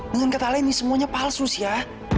dengan kata lain ini semuanya palsu sya